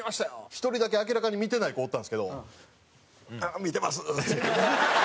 １人だけ明らかに見てない子おったんですけど「あっ見てます」っつって。